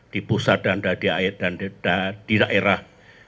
di pusat dan daerah